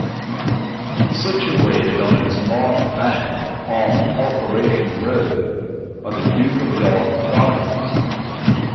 Situated on its north bank, off Corporation Road, are the Duke of York Gardens.